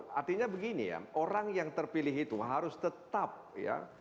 artinya begini ya orang yang terpilih itu harus tetap ya